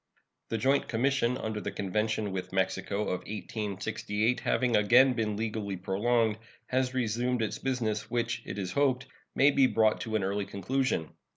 The joint commission under the convention with Mexico of 1868, having again been legally prolonged, has resumed its business, which, it is hoped, may be brought to an early conclusion.